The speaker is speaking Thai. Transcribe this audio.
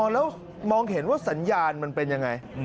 แล้วมองเห็นว่าสัญญาณมันเป็นยังไง